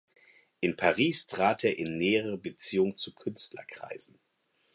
In Paris trat er in nähere Beziehung zu Künstlerkreisen.